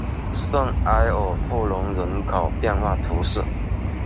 圣埃尔布隆人口变化图示